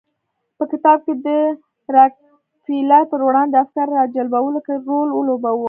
په کتاب کې د راکفیلر پر وړاندې افکار راجلبولو کې رول ولوباوه.